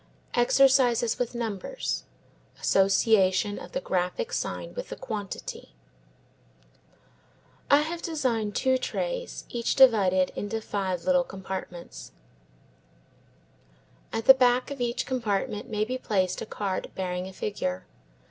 Exercises with Numbers. Association of the graphic sign with the quantity. I have designed two trays each divided into five little compartments. At the back of each compartment may be placed a card bearing a figure.